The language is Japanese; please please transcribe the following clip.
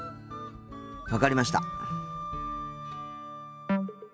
分かりました。